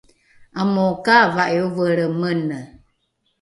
amokaava’i ovelre mene